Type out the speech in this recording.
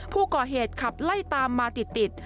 ผู้ก่อเหตุขับไล่ตามมาติด